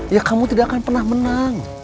ya kamu tidak akan pernah menang